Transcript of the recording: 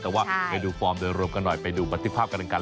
แต่ว่าไปดูฟอร์มโดยรวมกันหน่อยไปดูบัตรภาพกันดังกัน